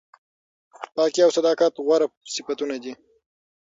پاکي او صداقت غوره صفتونه دي.